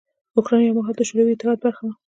اوکراین یو مهال د شوروي اتحاد برخه وه.